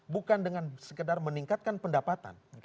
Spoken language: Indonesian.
bukan dengan sekedar meningkatkan pendapatan